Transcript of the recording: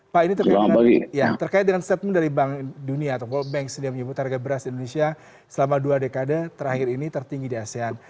pak ini terkait dengan statement dari bank dunia atau world bank sendiri yang menyebut harga beras di indonesia selama dua dekade terakhir ini tertinggi di asean